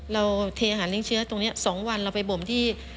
เราเทอาหารเลี้ยเชื้อตรงนี้๒วันเราไปบ่มที่